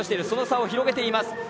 その差を広げています。